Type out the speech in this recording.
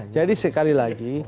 jadi sekali lagi